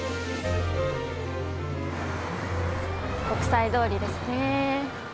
国際通りですね。